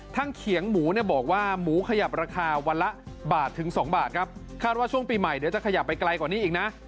เขียงหมูเนี่ยบอกว่าหมูขยับราคาวันละบาทถึงสองบาทครับคาดว่าช่วงปีใหม่เดี๋ยวจะขยับไปไกลกว่านี้อีกนะ